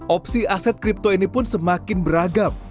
opsi aset kripto ini pun semakin beragam